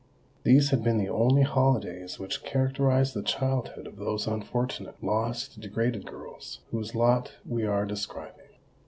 These had been the only holidays which characterised the childhood of those unfortunate, lost, degraded girls whose lot we are describing.